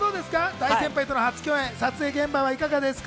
大先輩との初共演、撮影現場はいかがですか？